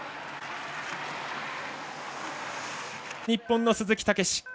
日本の鈴木猛史。